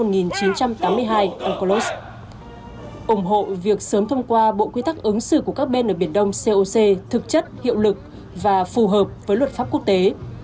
ủng hộ việc sớm thông qua bộ quy tắc ứng xử của các bên ở biển đông coc thực chất hiệu lực và phù hợp với luật pháp quốc tế